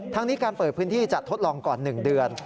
ทั้งนี้การเปิดพื้นที่จะทดลองก่อน๑เดือน